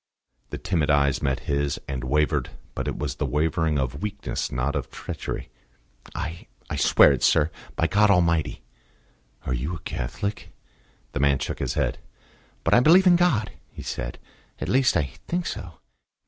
The timid eyes met his, and wavered; but it was the wavering of weakness, not of treachery. "I I swear it, sir; by God Almighty." "Are you a Catholic?" The man shook his head. "But I believe in God," he said. "At least, I think so."